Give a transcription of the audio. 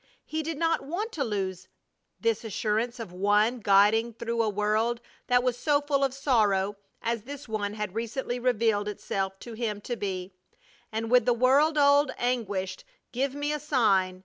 He did not want to lose this assurance of One guiding through a world that was so full of sorrow as this one had recently revealed itself to him to be. And with the world old anguished "Give me a sign!"